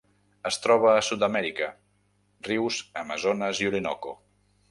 Es troba a Sud-amèrica: rius Amazones i Orinoco.